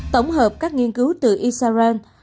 tổng hợp các nghiên cứu từ israel